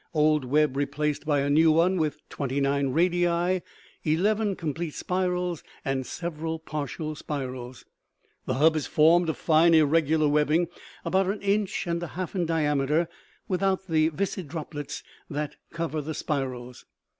Old web replaced by a new one with twenty nine radii, eleven complete spirals and several partial spirals. The hub is formed of fine irregular webbing about an inch and a half in diameter, without the viscid droplets that cover the spirals.